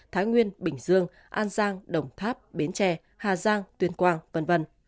thái nguyên bình dương an giang đồng tháp bến tre hà giang tuyên quang v v